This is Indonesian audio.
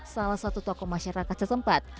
salah satu tokoh masyarakat setempat